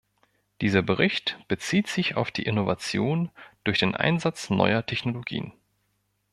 Dieser Bericht bezieht sich auf die Innovation durch den Einsatz neuer Technologien.